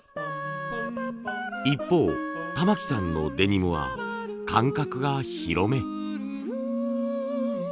一方玉木さんのデニムは間隔が広め。